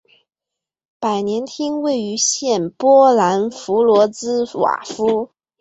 百年厅位于现波兰弗罗茨瓦夫。